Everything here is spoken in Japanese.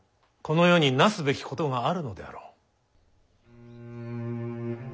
この世に成すべきことがあるのであろう。